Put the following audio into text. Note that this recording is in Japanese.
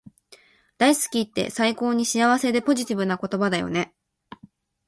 大好きって最高に幸せでポジティブな言葉だよね